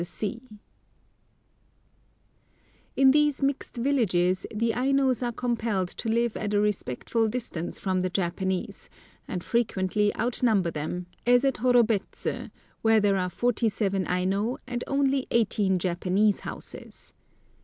[Picture: Aino Store House at Horobets] In these mixed villages the Ainos are compelled to live at a respectful distance from the Japanese, and frequently out number them, as at Horobets, where there are forty seven Aino and only eighteen Japanese houses.